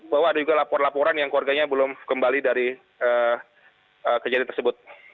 bahwa ada juga laporan laporan yang keluarganya belum kembali dari kejadian tersebut